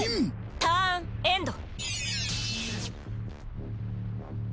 ターンエンド！